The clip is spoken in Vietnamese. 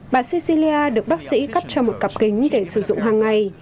bà cecilia được bác sĩ cắt cho một cặp kính để sử dụng hàng ngày